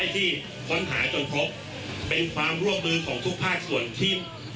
ที่ค้นหาจนครบเป็นความร่วมมือของทุกภาคส่วนที่